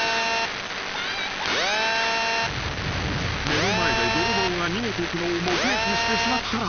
［目の前で泥棒が逃げていくのを目撃してしまったら］